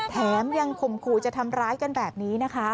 แถมยังข่มขู่จะทำร้ายกันแบบนี้นะคะ